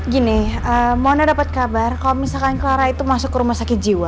gini mona dapat kabar kalau misalkan clara itu masuk ke rumah sakit jiwa